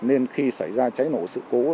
nên khi xảy ra cháy nổ sự cố